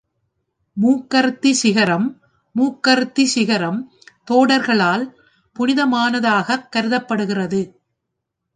மூக்கறுத்தி சிகரம் மூக்கறுத்தி சிகரம் தோடர்களால் புனிதமானதாகக் கருதப்படுகிறது.